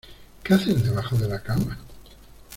¿ Qué haces debajo de la cama?